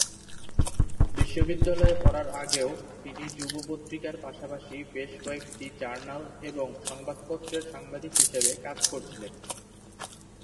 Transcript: বিশ্ববিদ্যালয়ে পড়ার আগেও, তিনি যুব পত্রিকার পাশাপাশি বেশ কয়েকটি জার্নাল এবং সংবাদপত্রের সাংবাদিক হিসাবে কাজ করছিলেন।